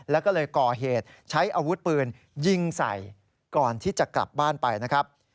แล้วก็เลยก่อเหตุใช้อาวุธปืนยิงใส่ก่อนที่จะกลับบ้านไปนะครับ